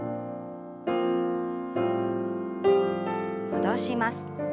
戻します。